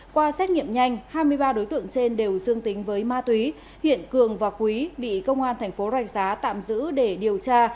qua xét nghiệm nhanh hai mươi ba đối tượng trên đều dương tính với ma túy hiện cường và quý bị công an thành phố rạch giá tạm giữ để điều tra